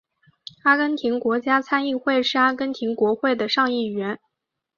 阿根廷国家参议院是阿根廷国会的上议院。